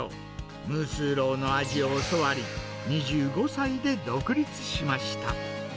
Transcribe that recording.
ムースーローの味を教わり、２５歳で独立しました。